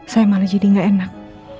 saya malah jadi nggak enak